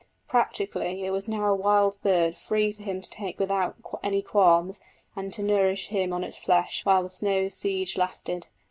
Practically it was now a wild bird free for him to take without any qualms and to nourish himself on its flesh while the snow siege lasted.